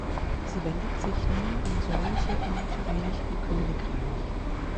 Sie wendet sich nur an solche im Vereinigten Königreich.